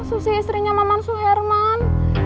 susi istrinya maman suherman